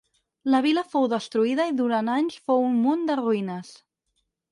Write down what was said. La vila fou destruïda i durant anys fou un munt de ruïnes.